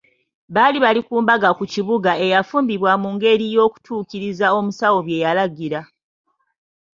Baali bali ku mbaga ku kibuga eyafumbibwa mu ngeri y'okutuukiriza omusawo bye yalagira.